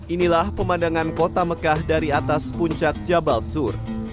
inilah pemandangan kota mekah dari atas puncak jabal sur